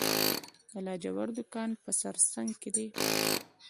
د لاجورد کان په سرسنګ کې دی